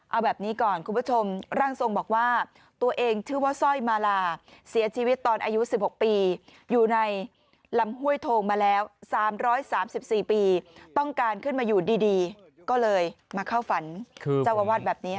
เอาแบบนี้ก่อนคุณผู้ชมร่างทรงบอกว่าตัวเองชื่อว่าสร้อยมาลาเสียชีวิตตอนอายุ๑๖ปีอยู่ในลำห้วยโทงมาแล้ว๓๓๔ปีต้องการขึ้นมาอยู่ดีก็เลยมาเข้าฝันเจ้าอาวาสแบบนี้